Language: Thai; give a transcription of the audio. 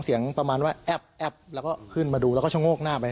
เสียงประมาณว่าแอ๊บแล้วก็ขึ้นมาดูแล้วก็ชะโงกหน้าไป